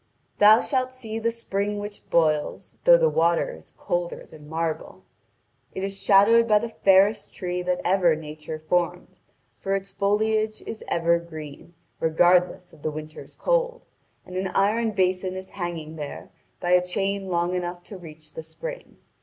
Thou shalt see the spring which boils, though the water is colder than marble. It is shadowed by the fairest tree that ever Nature formed, for its foliage is evergreen, regardless of the winter's cold, and an iron basin is hanging there by a chain long enough to reach the spring.